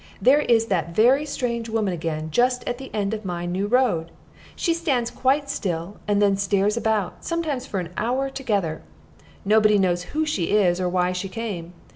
There is that very strange woman again, just at the end of my new road. She stands quite still, and then stares about, sometimes for an hour together. Nobody knows who she is, or why she came.